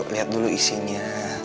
lihat dulu isinya